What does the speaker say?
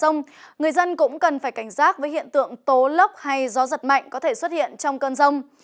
trong người dân cũng cần phải cảnh giác với hiện tượng tố lốc hay gió giật mạnh có thể xuất hiện trong cơn rông